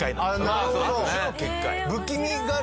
なるほど！